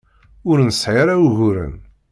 Ur nesɛi ara uguren.